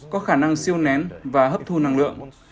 có khả năng siêu nén và hấp thu năng lượng